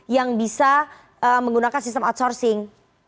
yang bisa menggunakan sistem outsourcing